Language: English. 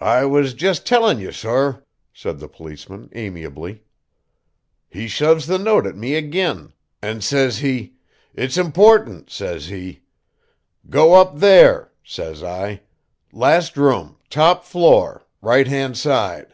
"I was just tellin' ye, sor," said the policeman amiably. "He shoves the note at me ag'in, an' says he, 'It's important,' says he. 'Go up there,' says I. 'Last room, top floor, right hand side.'